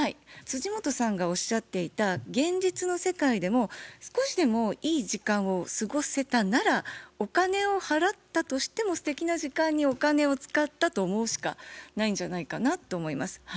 本さんがおっしゃっていた現実の世界でも少しでもいい時間を過ごせたならお金を払ったとしてもすてきな時間にお金を使ったと思うしかないんじゃないかなと思います。